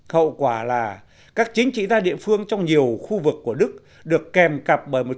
hậu quả là các chính trị gia địa phương trong nhiều khu vực của đức được kèm cặp bởi một